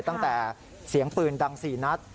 ตั้งแต่เสียงปืนดัง๔นัด